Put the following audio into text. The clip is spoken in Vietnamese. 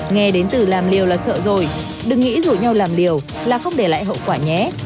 nghe đến từ làm liều là sợ rồi đừng nghĩ rủ nhau làm liều là không để lại hậu quả nhé